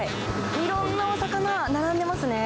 いろんなお魚、並んでますね。